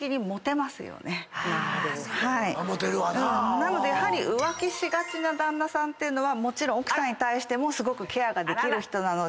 なので浮気しがちな旦那さんっていうのはもちろん奥さんに対してもすごくケアができる人なので。